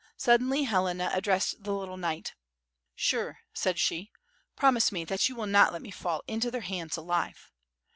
Suddenly Helena ad dressed the little knight. "Sir," said she, "promise me that you wil not let me fall into their hands alive."